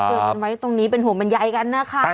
เตือนกันไว้ตรงนี้เป็นห่วงบรรยายกันนะคะ